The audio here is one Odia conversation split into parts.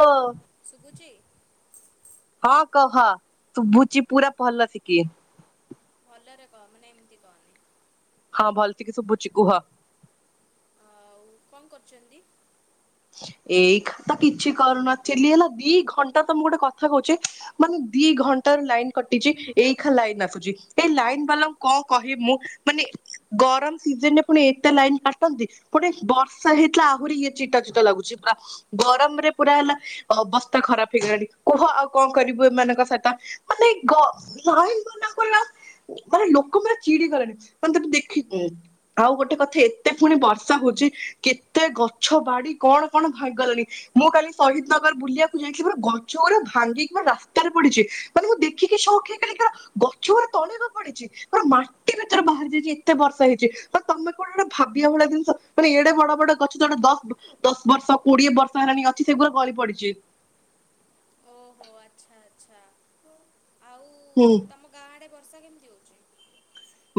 ଲୋ ଶୁଭୁଛି? ହଁ କହ ଶୁଭୁଛି ପୁରା ଭଲ ସେ କିଏ। ଭଲରେ କହ ମାନେ ଏମିତି କହନି। ହଁ ଭଲି ତିିକେ ଶୁଭୁଚି କୁହ। ଆଉ କଣ କରୁଛନ୍ତି? ଏଇ ଖା କିଛି କରୁନଥିଲ ହେଲା ଦି ଘଣ୍ଟା ତମକୁ ଗୋଟେ କଥା କହୁଛି ମାନେ ଦି ଘଣ୍ଟା ର ଲାଇନ କଟିଛି ଏଇ ଖା ଲାଇନ ଆସୁଛି ଏଇ ଲାଇନ ବାଲାଙ୍କୁ କଣ କହିବ ମୁଁ ମାନେ ଗରମ ସିଜନ ରେ ପୁଣି ଏତେ ଲାଇନ କାଟନ୍ତି ପୁଣି ବର୍ଷା ହେଇଥିଲା ଆହୁରି ଇଏ ଚିଟା ଚ ଲାଗୁଛି ପୁରା। ଗରମରେ ପୁରା ହେଲା ଅବସ୍ତା ଖରାପ ହେଇଗଲାଣି କୁହ ଆଉ କଣ କରିବୁ ଏମାନଙ୍କ ସହିତ? ମାନେ ଏ ଗ ଲାଇନ ଗଲା ପରେ ଆଉ ମାନେ ଲୋକ ପୁରଟ ଚିଡି ଗଲେଣି ମାନେ ତାକୁ ଦେଖିକି। ଆଉ ଗୋଟେ କଥା ଏତେ ପୁଣି ବର୍ଷା ହଉଛି କେତେ ଗଛ ବାଡି କଣ କଣ ଭଙ୍ଗଗଲାଣି। ମୁଁ କାଲି ଶହୀଦନଗର ବୁଲିବାକୁ ଯାଇଥିଲି ପୁରା ଗଛ ଗୁରା ଭାଙ୍ଗିକି ପୁରା ରାସ୍ତାରେ ପଡିଛି। ମାନେ ମୁଁ ଦେଖିକି ସଅକ ହେଇଗଲି ଗଛ ଗୋରା ତଳେ କଣ ପଡିଚି ପୁରା ମାଟି ଭିତରେ ବାହାରି ଯାଇଛି ଏତେ ବର୍ଷା ହେଇଛି ତ ତମେ କୋଡା ଗୋଟେ ଭାବିବା ଭଳିଆ ଜିନିଷ ମାନେ ଏଡେ ବଡ ବଡ ଗଛ ଜଣେ ଦଶ ଦଶ ବର୍ଷ କୋଡିଏ ବର୍ଷ ହେଲାଣି ଅଛି ସେ ପୁରା ଗଳି ପଡିଚି। ଓହୋ ଆଚ୍ଛା ଆଚ୍ଛା ଆଉ ହୁଁ। ତମ ଗାଁ ଆଡେ ବର୍ଷା କେମିତି ହଉଛି?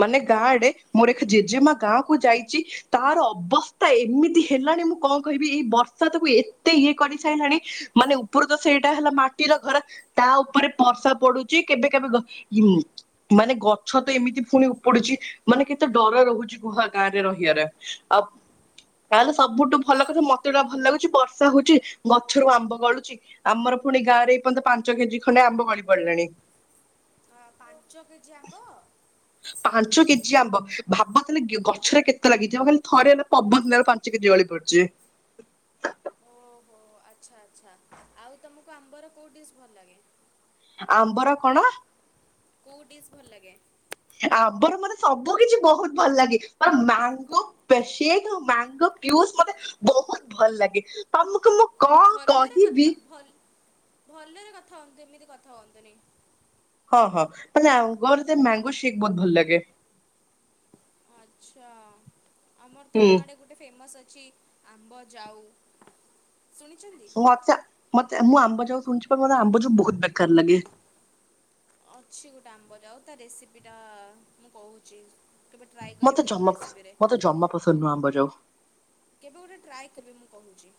ମାନେ ଗାଁ ଆଡେ ମୋର ଏକ ଜେଜେମା ଗାଁ କୁ ଯାଇଚି ତାର ଅବସ୍ଥା ଏମିତି ହେଲାଣି ମୁଁ କଣ କହିବି ଏଇ ବର୍ଷା ତାକୁ ଏତେ ଇଏ କରି ସାରିଲାଣି। ମାନେ ଉପର ତ ସେଇଟା ହେଲା ମାଟିର ଘର। ତା ଉପରେ ବର୍ଷା ପଡୁଛି, କେବେ କେବେ ମାନେ ଗଛ ତ ଏମିତି ପୁଣି ଉପୁଡୁଛି ମାନେ କେତେ ଡର ରହୁଛି ଗୁହା ଗାଁରେ ରହିବାରେ, ଆଉ ଗାଁ ରେ ସବୁଠୁ ଭଲ କଥା ଓହୋ ମତେଟା ଭଲ ଲାଗୁଛି ବର୍ଷା ହଉଛି ଗଛରୁ ଆମ୍ବ ଗଳୁଛି। ଆମର ପୁଣି ଗାଁରେ ଏଇପର୍ଯ୍ୟନ୍ତ ପାଞ୍ଚ କେ ଜି ଖଣ୍ଡେ ଆମ୍ବ ଗଳି ପଡିଲେଣି। ହ ପାଞ୍ଚ କେଜି ଆମ୍ବ? ପାଞ୍ଚ କେ ଜି ଆମ୍ବ, ଭାବ ତାହଲେ ଗଛରେ କେତେ ଲାଗିଥିବ ଖାଲି ଥରେ ହେଲେ ପବନ ଦେଲା ପା ଜି ଗଳି ପଡିଛି। ଓ ଆଚ୍ଛା ଆଚ୍ଛା, ଆଉ ତୁମକୁ ଆମ୍ବର କୋଉ ଡିସ୍ ଭଲ ଲାଗେ? ଆମ୍ବର କଣ କୋଉ ଡିଶ ଭଲ ଲାଗେ? ଆମ୍ବର ମୋର ସବୁ କିଛି ବହୁତ ଭଲ ଲାଗେ, ଆଉ ମାଙ୍ଗୋ ସେକ୍ ମ୍ୟାଙ୍ଗୋ ପିଉଜ ମତେ ବହୁତ ଭଲ ଲାଗେ, ତମକୁ ମୁଁ କଣ ଭଲରେ କହିବି? କଥା, ଭଲ ଭଲରେ କଥା ହୁଅନ୍ତୁ ଏମିତି କଥା ହୁଅନ୍ତୁନି। ହଁ ହଁ ମାନେ ଆ ଗୋର ମ୍ୟାଙ୍ଗୋ ସେକ୍ ବହୁତ ଭଲ ଲାଗେ। ଆଚ୍ଛା, ଆମର ତ ହୁଁ ଗାଁଡ଼େ ଗୋଟେ ଫେମସ୍ ଅଛି ଆମ୍ବ ଯାଉ। ଶୁଣିଛନ୍ତି? ମୁଁ ମତେ ମତେ ମୁଁ ଆମ୍ବ ଯାଉ ଶୁଣିଛି ମତେ ଆମ୍ବ ଯାଉ ବହୁତ ବେକାର ଲାଗେ। ଅଛି ଗୋଟେ ଆମ୍ବ ଜାଉ ତା ରେସିପି ଟା ମୁଁ କହୁଛି। କେବେ ଟ୍ରାଏ କରିବେ ମତେ ମୋ ଜମା ରେସିପିରେ। ମତେ ଜମା ପସନ୍ଦ ନୁହଁ ଆମ୍ବ ଯାଉ। କେବେ ଗୋଟେ ଟ୍ରାଏ କେବେ ମୁଁ କହୁଛି।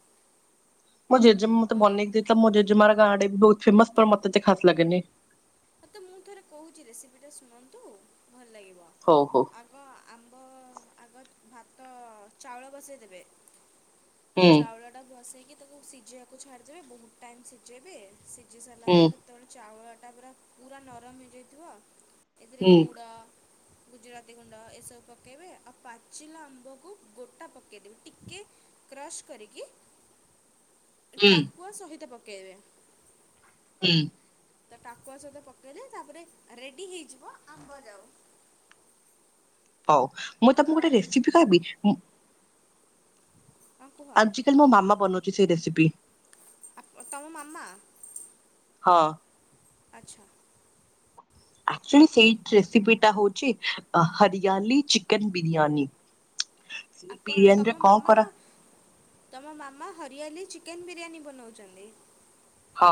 ମୋ ଜେଜେମା ମତେ ବନେଇକି ଦେଇଥିଲା ମୋ ଜେଜେମାର ଗାଁ ଆଡ଼େ ବହୁତ ଫେମସ ତ ମତେ ଏତେ ଖା ଲାଗେନି। ହଁ ତ ମୁଁ ଥରେ କହୁଛି ରେସିପିଟା ଶୁଣନ୍ତୁ, ଭଲ ଲାଗିବ। ହଉ ହଉ। ଆଗ ଆମ୍ବ, ଆଗ ଭାତ ଚାଉଳ ବସାଇଦେବେ। ହୁଁ ଚାଉଳଟା ବସେଇକି ତାକୁ ସିଝେଇବାକୁ ଛାଡ଼ିଦେବେ, ବହୁତ ଟାଇମ୍ ସିଝେଇବେ, ସିଝି ସାରିଲା ହୁଁ ପରେ ଯେତେବେଳେ ଚାଉଳଟା ପୁରା ପୁରା ନରମ ହେଇଯାଇଥିବ ଏଥିରେ ହୁଁ ଗୁଡ଼ ଗୁଜୁରାତି ଗୁଣ୍ଡ ଏସବୁ ପକାଇବେ, ଆଉ ପାଚିଲା ଆମ୍ବକୁ ଗୋଟା ପକାଇଦେବେ, ଟିକେ କ୍ରସ୍ କରିକି, ହୁଁ ଟାକୁଆ ସହିତ ପକାଇବେ। ହୁଁ। ତ ଟାକୁଆ ସହିତ ପକାଇଲେ ତାପରେ ରେଡ଼ି ହେଇଯିବ ଆମ୍ବ ଯାଉ। ହଉ, ମୁଁ ତମକୁ ଗୋଟେ ରେସିପି କହିବି, ମୁଁ ହଁ କୁହ ଆଜ କାଲି ମୋ ମାମା ବନଉଛି ସେଇ ରେସିପି। ତମ ମାମା? ହଁ। ଆଚ୍ଛା। ଆକ୍ଚୁଲି ସେଇ ରେସିପିଟା ହଉଛି ହରିଆଲି ଚିକେନ ବିରିୟାନୀ। ସେଇ ଆପଣ ବିରିୟାନୀରେ ତମ କଣ ମାମା କରା ତମ ମାମା ହରିଆଲି ଚିକେନ୍ ବିରିୟାନୀ ବନାଉଛନ୍ତି? ହଁ,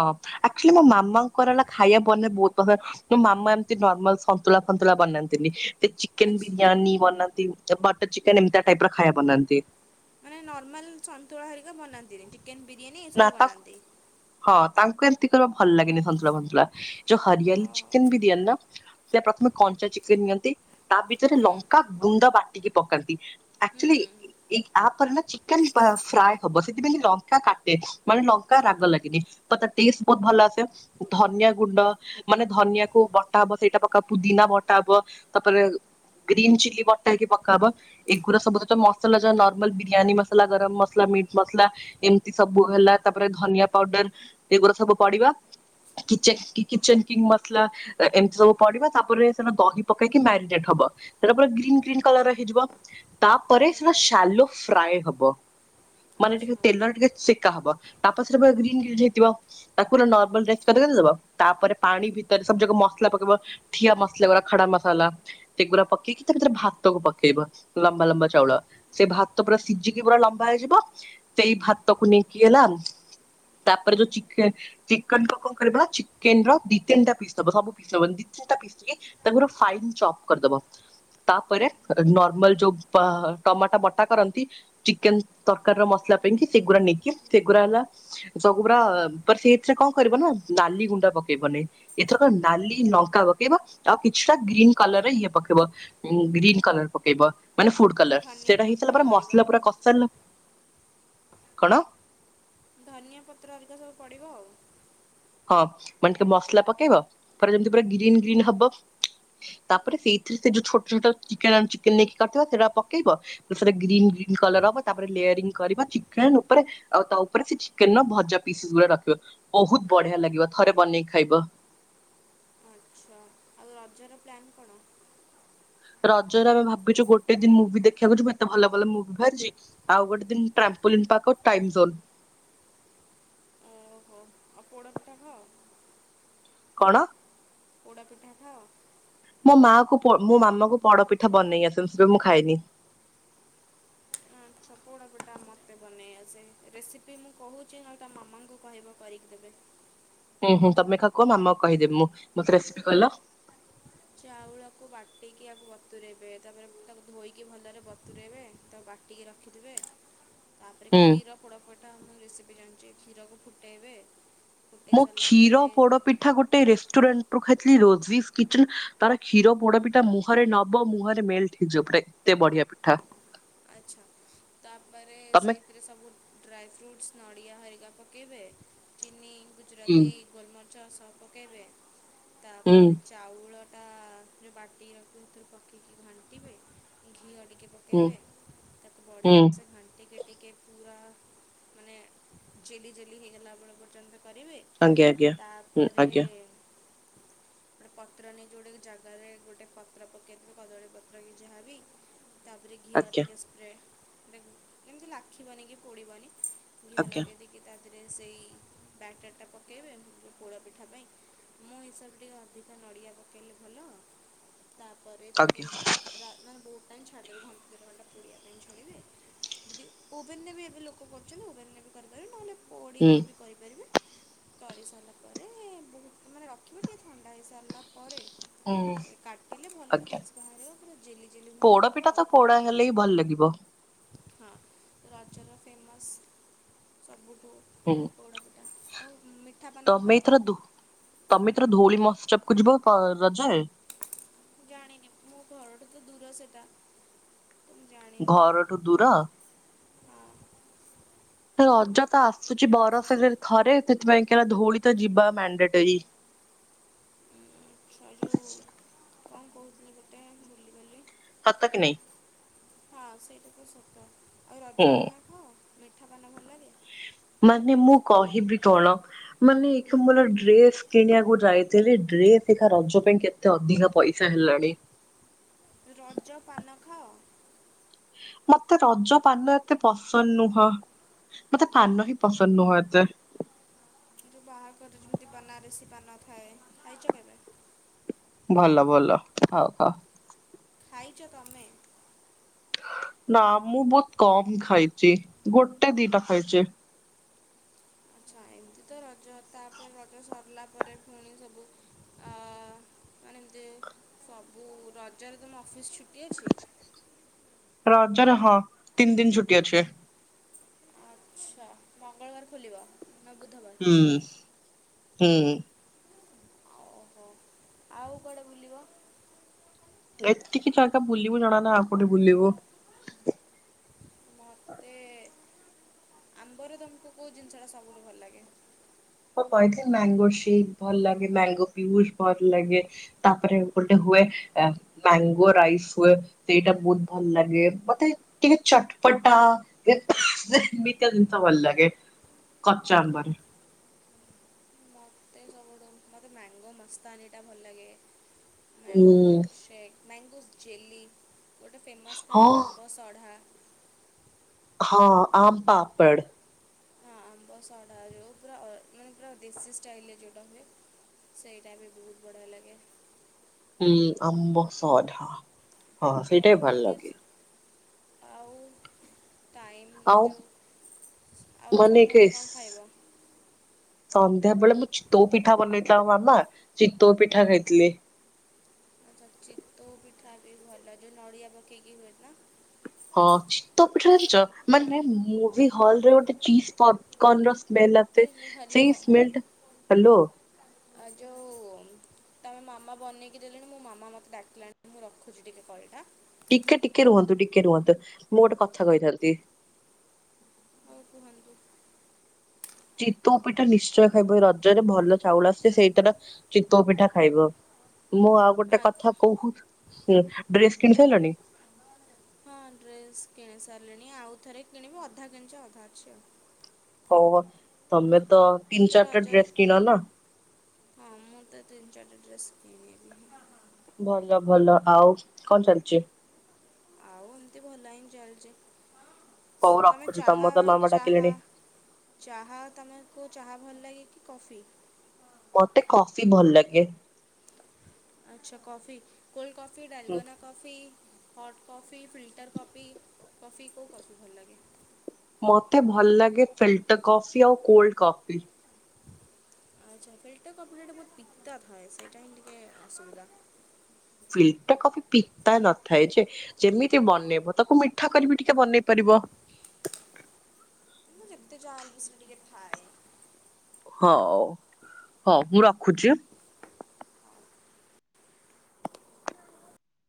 ଆକ୍ଚୁଆଲି ମୋ ମାମାଙ୍କର ହେଲା ଖାଇବା ବନେଇ ବହୁତ ପସନ୍ଦ। ମୋ ମାମା ଏମିତି ନର୍ମାଲ ସନ୍ତୁଳା ଫନ୍ତୁଳା ବନାନ୍ତିନି, ସିଏ ଚି ଚିକେନ ଆଚ୍ଛା ବିରିୟାନୀ ବନାନ୍ତି, ବଟର ଚିକେନ ଏମିତିଆ ଟାଇପ ର ଖାଇବା ବନାନ୍ତି। ମାନେ ନର୍ମାଲ ସନ୍ତୁଳା ହରିକା ବନାନ୍ତିନି, ଚିକେନ ବିରିୟାନୀ ନା ଏସବୁ ତାଙ୍କୁ ବନାନ୍ତି? ହଁ ତାଙ୍କୁ ଏମିତି ଖାଇବା ଭଲ ଲାଗେନି ସନ୍ତୁଳା ଭନ୍ତୁଳା, ଯୋଉ ହୁଁ ହରିଆଲି ଚିକେନ ବିରିୟାନୀର ସେଟା ପ୍ରଥମେ କଞ୍ଚା ଚିକେନ ନିଅନ୍ତି, ତା ଭିତରେ ହୁଁ ଲଙ୍କା ଗୁଣ୍ଡ ବାଟିକି ପକାନ୍ତି। ହୁଁ ଆକ୍ଚଆଲି ହୁଁ। ଏ ଆପରେ ନା ଚିକେନ ପା ଫ୍ରାଏ ହବ ସେଥିପାଇଁକି ଲଙ୍କା କାଟ୍ ଏ ମାନେ ଲଙ୍କା ରାଗ ଲାଗିନି, ତ ତା ଟେଷ୍ଟ ବହୁତ ଭଲ ଆସେ, ଧନିଆ ଗୁଣ୍ଡ ମାନେ ଧନିଆକୁ ବଟା ହବ ସେଇଟା ପକା ହବ, ପୁଦିନା ବଟା ହବ ତାପରେ ଗ୍ରୀନ୍ ଚିଲି ଵଟା ହେଇକି ପକାହବ। ଏଗୁରା ସବୁ ଯେତେ ମସଲା ଯା ନର୍ମାଲ ବିରିୟାନୀ ମସଲା, ଗରମ ମସଲା, ମିଟ୍ ମସଲା, ଏମ ସବୁ ହେଲା ତାପରେ ଧନିଆ ପାଉଡର ଏଗୁଡା ସବୁ ପଡିବ। କିଚନ କି କିଚନ କିଙ୍ଗ ମସଲା। ଏ ଏମିତି ସବୁ ପଡିବା ତାପରେ ସେଟା ଦହି ପକେଇକି ମ୍ୟାରିନେଟ୍ ହବ। ତାପରେ ଗ୍ରୀନ୍ ଗ୍ରୀନ୍ କଲରର ହେଇଯିବ। ତାପରେ ସେଟା ସାଲୋ ଫ୍ରାଏ ହବ। ମାନେ ଟିକେ ଆଚ୍ଛା। ତେଲ ଟିକେ ସେକା ହବ ତା ପରେ ସେଟା ପୁରା ଗ୍ରୀନ୍ ଗ୍ରୀନ୍ ହେଇଥିବ। ତାକୁ ପୁରା ନର୍ମାଲ ଦେଇଦବ ତାପରେ ପାଣି ଭିତରେ ସବୁ ଯାକ ମସଲା ପକେଇବ। ଠିଆ ମସଲା ଗୁରା ଖଡ଼ା ମସଲା। ଏଗୁରା ପକେଇକି ତା ଭିତରେ ଭାତକୁ ପକେଇବ ଲମ୍ବା ଲମ୍ବା ଚାଉଳ। ସେ ଭାତ ପୁରା ସିଝିକି ପୁରା ଲମ୍ବା ହେଇଯିବ ସେଇ ଭାତ କୁ ନେଇକି ହେଲା ତାପରେ ଯୋଉ ଚିକେନ୍ ଚିକେନ କୁ କଣ କରିବା ନା ଚିକେନ ର ଦି ତିନିଟା ପିସ୍ ଦବ ସବୁ ପିସ ଦବନି ଦି ତିନିଟା ପିସ୍ ଟେ ତାକୁ ପୁରା ଫାଇନ୍ ଚପ୍ କରିଦବ। ତାପରେ ଆ କ ନର୍ମାଲ ଯୋଉ ପା ଅ ଟମାଟୋ ବଟା କରନ୍ତି। ଚିକେନ ତରକାରୀ ର ମସଲା ପାଇଁକି ସେଗୁଡା ନେଇକି ସେଗୁଡା ହେଲା ସବୁ ପୁରା ଆ ପ ସେଥିରେ କଣ କରିବ ନା ନାଲି ଗୁଣ୍ଡା ପକେଇବନି। ଏଥରକ ନାଲି ଲଙ୍କା ପକେଇବା ଆଉ କିଛିଟା ଗ୍ରୀନ କଲର ରେ ଇଏ ପକେଇବ। ଉଁ ଗ୍ରୀନ୍ କଲର ପକେଇବ ମାନେ ଫୁଡ କଲର ଧନିଆ ସେଇଟା ହେଇ ସାରିଲା ପତ୍ର ପରେ ହରିକା ମସଲା ପୁରା କସାରିଲା ପ କଣ? ଧନିଆ ପତ୍ର ହରିକା ସବୁ ପଡ଼ିବ ଆଉ। ହଁ ମାନେ ଟିକେ ମସଲା ପକେଇବ ପୁରା ଯେମିତି ପୁରା ଗ୍ରୀନ୍ ଗ୍ରୀନ୍ ହବ। ତାପରେ ସେଇଥିରେ ସେ ଯୋଉ ଛୋଟ ଛୋଟ ଚିକେନ ଚିକେନ ନେଇକି କରିଥିବା ସେଇଟା ପକେଇବ। ସେଟ ଗ୍ରୀନ୍ ଗ୍ରୀନ୍ କଲର ହବ ତାପରେ ଲେୟରିଙ୍ଗ କରିବା ଚିକେନ ଉପରେ ଆଉ ତା ଉପରେ ସେ ଚିକେନ ର ଭଜା ପିସ୍ ଗୁଡା ରଖିବ ବହୁତ ବଢିଆ ଲାଗିବ ଥରେ ବନେଇକି ଖାଇବ। ଆଚ୍ଛା ଆଉ ରଜର ପ୍ଲାନ୍ କଣ? ରଜରେ ଆମେ ଭାବିଛୁ ଗୋଟେ ଦିନ ମୁଭି ଦେଖିବାକୁୁ ଯିବୁ ଏତେ ଭଲ ଭଲ ମୁଭି ବାହାରିଛି। ଆଉ ଗୋଟେ ଦିନ ଟ୍ରାମ୍ପୋଲି ପାଖ ଟାଇମ ଜୋନ୍। ଓହୋ ଆଉ ପୋଡ଼ପିଠା ଖାଅ? କଣ? ପୋଡ଼ାପିଠା ଖାଅ। ମୋ ମା କୁ ପୋ ମୋ ମାମାଙ୍କୁ ପଡପିଠା ବନେଇ ଆସେନି ସେଥିପାଈଁ ମୁଁ ଖାଇନି। ଆଛା ପୋଡ଼ପିଠା ମୋତେ ବନେଇ ଆସେ ରେସିପି ମୁଁ କହୁଛି ନହେଲେ ତମ ମାମାଙ୍କୁ କହିବ କରିକି ଦେବେ। ହୁଁ ହୁ ତମେ ଖା କୁହ ମାମା କୁ କହିଦେବି ମୁଁ ମତେ ରେସିପି କହଲ। ଚାଉଳକୁ ବାଟିକି ଆକୁ ବତୁରାଇବେ ତାପରେ ମୁ ତାକୁ ଧୋଇକି ଭଲରେ ବତୁରାଇବେ ତା ବାଟ୍ ଟିକି ରଖିଥିବେ। ତାପରେ ହୁଁ କ୍ଷୀର ପୋଡ଼ପଠା ମୁ ରେସିପି ଜାଣିଛି କ୍ଷୀରକୁ ଫୁଟେଇବେ। ଫୁଟେଇ ମୋ ସାରିଲା କ୍ଷୀର ପରେ ପୋଡ଼ପିଠା ଗୋଟେ ଗୋଟେ ରେଷ୍ଟୁରାଣ୍ଟ ରୁ ଖାଇଥିଲି ରୋଜିଶ୍ କିଚେନ ତାର କ୍ଷୀର ପୋଡ଼ପିଠା ମୁହଁରେ ନବ ମୁହଁରେ ମେଲଟ। [unintelligible] ଏତେ ବଢିଆ ପିଠା। ଆଚ୍ଛା ତାପରେ ତମେ ସେଇଥିରେ ସବୁ ଡ୍ରାଇ ଫ୍ରୁଟ୍ସ୍ ନଡ଼ିଆ ହରିକା ପକାଇବେ ଚିନି ହୁଁ ଗୁଜୁରାତି ଗୋଲମରିଚ ସହ ପକାଇବେ ହୁଁ ତାପରେ ଚାଉଳଟା ଯେଉଁ ବାଟିକି ରଖିଥିବେ ଏଥିରୁ ପକେଇକି ଘାଣ୍ଟିବେ। ଘିଅ ଟିକେ ହୁଁ କଟବେ ତା ବଢିଆ ହୁଁ ସେ ଘଣ୍ଟେ। ଟିକେ ଟିକେ ପୁରା ମାନେ ଜେଲି ଜେଲି ହେଇଗଲା ବେଳ ପର୍ଯ୍ୟନ୍ତ କରିବେ। ଆଜ୍ଞା ଆଜ୍ଞା ହୁଁ ତାପରେ ଆଜ୍ଞା ପତ୍ର ନେଇ ଯୋଉଗୋଟେ ଜାଗାରେ ଗୋଟେ ପତ୍ର ପକେଇିବେ କଦଳୀ ପତ୍ର କି ଯାହାବି। ତାପରେ ଘିଅ ଆଜ୍ଞା ଟିକେ ସ୍ପ୍ରେ କେମିତି ଲାଖିବନି କି ପୋଡ଼ିବନି ଘିଅ ଆଜ୍ଞା ଲଗାଇ ଦେଇକି ତା ଦେହରେ ସେଇ ବ୍ୟାଟର୍ ଟା ପକାଇବେ ପୋଡ ପିଠା ପାଇଁ। ମୋ ହିସାବରେ ଟିକେ ଅଧିକ ନଡ଼ିଆ ପକେଇଲେ ଭଲ। ତାପରେ ତାକୁ ଆଜ୍ଞା ରା ମାନେ ବହୁତ ଟାଇମ ଛାଡ଼ିଦେବେ ଘଣ୍ଟେ ଦେଢ ଘଣ୍ଟା ପାଇଁ! ପୋଡ଼ିବା ପାଇଁ ଛାଡ଼ିବେ ଦିଦି ଓଭେନ୍ ରେ ବି ଏବେ ଲୋକ କରୁଛନ୍ତି ଓଭେନ୍ ରେ ବି କରିପାରିବ ନହେଲେ ହୁଁ ପୋଡ଼ିକି ବି କରିପାରିବେ କରିସାରିଲା ପରେ ବହୁତ ମାନେ ରଖିବେ ଟିକେ ଥଣ୍ଡା ହେଇସାରିଲା ପରେ ହୁଁ କାଟିଲେ ଭଲ ଆଜ୍ଞା ପିସ୍ ବାହାରିବ ପୁରା ଜେଲି ଜେଲି ଭଳିଆ ହବ ପୋଡପିଠା ତ ଆଉ! ପୋଡା ହେଲେ ହିଁ ଭଲ ଲାଗିବ ହଁ ରଜର ଫେମସ୍ ସବୁଠୁ ହୁଁ! ପୋଡପିଠା ଆଉ ମି ତମେ ଏଥର ଧ ତମେ ଏଥର ଧଉଳି ମହୋତ୍ସବ କୁ ଜିବ ରଜରେ? ଜାଣିନି ମୋ ଘରଠୁ ତ ଦୂର ସେଟା! ଘରଠୁ ଦୂର? ହଁ ରଜ ତ ଆସୁଛି ବରସରେ ଥରେ ସେଥିପାଇଁ କିଏରା ଧଉଳୀ ତ ଯିବା ମାଣ୍ଡାଟୋରୀ! ସେ ଯେଉ କଣ କହୁଥିଲି ଗୋଟେ ଭୁଲି ଗଲି! ସତ କି ନାଇଁ? ହଁ ସେଇଟା ତ ସତ ଆଉ ରଜ ହୁଁ। ପାନ ଖାଅ ମିଠା ପାନ ଭଲଲାଗେ? ମାନେ ମୁଁ କହିବି କଣ? ମାନେ ଏ ଖୁଣି ମୋର ଡ୍ରେସ କିଣିବାକୁ ଯାଇଥିଲି ଡ୍ରେସ ଏଇକା ରଜ ପାଇଁ କେ ଏତେ ଅଧିକା ପଇସା ହେଲାଣି! ରଜ ପାନ ଖାଅ? ମତେ ରଜ ପାନ ଏତେ ପସନ୍ଦ ନୁହଁ! ମତେ ପାନ ହିଁ ପସନ୍ଦ ନୁହଁ ଏତେ! ଯେଉଁ ବାହାଘର ଯେମିତି ବନାରେସି ପାନ ଥାଏ ଖାଇଛ କେବେ? ଭଲ ଭଲ ହଉ ହଉ! ଖାଇଛ ତମେ? ନା ମୁଁ ବହୁତ କମ ଖାଇଛି ଗୋଟେ ଦିଟା ଖାଇଛି! ଆଚ୍ଛା ଏମିତି ତ ରଜ ତାପରେ ରଜ ସରିଲା ପରେ ପୁଣି ସବୁ ଆ ମାନେ ଏମିତି ସବୁ ରଜରେ ତମ ଅଫିସ୍ ଛୁଟି ଅଛି? ରଜରେ ହଁ ତିନି ଦିନ ଛୁଟି ଅଛି! ଆଚ୍ଛା ମଙ୍ଗଳବାର ଖୋଲିବ ନା ବୁଧବାର? ହୁଁ ହୁଁ। ଓହୋ ଆଉ କୁଆଡ଼େ ବୁଲିବ? ଏତିକି ଜାଗା ବୁଲିବୁ ଜଣା ନା ଆଉ କୋଉଠେ ବୁଲିବୁ! ମତେ ଆମ୍ବର ତମକୁ କଉ ଜିନିଷଟା ସବୁଠୁ ଭଲ ଲାଗେ? ମୁଁ କହିଥିଲି ମ୍ୟାଙ୍ଗୋ ସେକ୍ ଭଲ ଲାଗେ ମ୍ୟାଙ୍ଗୋ ପିୟୁସ ଭଲ ଲାଗେ! ତାପରେ ଗୋଟେ ହୁଏ ଆ ମ୍ୟାଙ୍ଗୋ ରାଇସ ହୁଏ ସେଇଟା ବହୁତ ଭଲ ଲାଗେ ମତେ ଟିକେ ଚଟପଟା ଏମିତିକା ଜିନିଷ ଭଲ ଲାଗେ କଚା ଆମ୍ବରେ! ମୋତେ ସବୁଠୁ ମୋତେ ମ୍ୟାଙ୍ଗୋ ମସ୍ତାନ୍ନି ଟା ଭଲ ଲାଗେ ହୁଁ ମ୍ୟାଙ୍ଗୋ ମିଲ୍କଶେକ୍! ମ୍ୟାଙ୍ଗୋ ଜେଲି ଗୋଟେ ଫେମସ୍ ଥାଏ ହଁ ଆମ୍ବ ସଢ଼ା! ହଁ ଆମ ପାପଡ଼! ହଁ ଆମ୍ବ ଶଢ଼ା ଯେଉଁ ପୁରା ମାନେ ପୁରା ଦେଶୀ ଷ୍ଟାଇଲରେ ଯଉଟା ହୁଏ! ସେଇଟା ବି ବହୁତ ବଢ଼ିଆ ଲାଗେ। ହୁଁ ଆମ୍ବସଢା। ହଁ ତ ସେଇଟା ବି ଭଲ ଏମିତି ଲାଗେ। ଆଉ ଟାଇମ୍ ଏ ଆଉ ଯଉ ଆଉ ମାନେ ସନ୍ଧ୍ୟାବେଳେ କଣ ଖାଇବ? ସନ୍ଧ୍ୟାବେଳେ ମୁଁ ଚିତୋଉ ପିଠା ବନେଇଥିଲା ମୋ ମାମା ଚିତୋଉ ପିଠା ଖାଇଥିଲି। ତ ଚିତୋଉ ପିଠା ବି ଭଲ ଯଉ ନଡ଼ିଆ ପକେଇକି ହୁଏ ନା ହଚ ତୋ ପିଠିରେ ଜାଣିଛ ମାନେ ମୁଭି ହଲରେ ଗୋଟେ ଚିଜ ପପ କନର ସ୍ମେଲ ଏ ଆସେ ଯୋ- ହ୍ୟାଲୋ ସେଇ ସ୍ମେଲଟା ହ୍ୟାଲୋ। ଆ ଯଉ ତମେ ମାମା ବନେଇକି ଦେଲେଣି। ମୋ ମାମା ମତେ ଡାକିଲାଣି ମୁଁ ରଖୁଛି ଟିକେ କଲଟା ଟିକେ ଟିକେ ରୁହନ୍ତୁ ଟିକେ ରୁହନ୍ତୁ ମୁଁ ଗୋଟେ କଥା କହିଥାନ୍ତି। [inaudible] ଚିତଉ ପିଠା ନିଶ୍ଚୟ ଖାଇବ। ରଜରେ ଭଲ ଚାଉଳ ଆସେ, ସେଇଟାର ଚିତଉ ପିଠା ଖାଇବ। ମୁଁ ଆଉ ଗୋଟେ ଆଚ୍ଛା କଥା କହୁ, ଡ୍ରେସ କିଣି ସାରିଲଣି? ହଁ ଡ୍ରେସ୍ କିଣି ସାରିଲିଣି। ଆଉ ଥରେ କିଣିବି ଅଧା କିଣିିଛି ଅଧା ଅଛି ଆଉ। ହଉ ତମେ ତ ମୁଁ ତିନି ତ ଚାରିଟା ରଜରେ ଡ୍ରେସ କିଣ ନା ହଁ ମୁଁ ତ ତିନି ଚାରିଟା ଡ୍ରେସ୍ କିଣିବି। ଭଲ ଭଲ। ଆଉ କଣ ଚାଲିଛି? ଆଉ ଏମତି ଭଲ ହିଁ ଚାଲିଛି। ହଉ ତମେ ରଖୁଛି ଚାହା ତମର ତ ମାମା ଚାହା ଡାକିଲେଣି ଚାହା ତମକୁ ଚାହା ଭଲ ଲାଗେ କି କଫି? ମତେ କଫି ଭଲ ଲାଗେ। ଆଚ୍ଛା କଫି କୋଲ୍ଡ କଫି? ହୁଁ dalgona coffee? Hot coffee, filter coffee, coffee କୋଉ କଫି ଭଲ ଲାଗେ? ମତେ ଭଲ ଲାଗେ ଫିଲ୍ଟର କଫି, ଆଉ କୋଲ୍ଡ କଫି। ଆଚ୍ଛା ଫିଲ୍ଟର କଫିଟା ଟିକେ ବହୁତ ପିତା ଥାଏ ସେଇଟା ହିଁ ଟିକେ ଅସୁବିଧା। ଫିଲଟର କଫି ପିତା ନଥାଏ ଯେ ଯେମିତି ବନେଇବ, ତାକୁ ମିଠା କରିବି ଟିକେ ବନେଇ ପାରିବ। ଯେତେ ଯାହାହେଲେ ବି ସେ ଟିକେ ଥାଏ ହଉ ହଉ ମୁଁ ରଖୁଛି।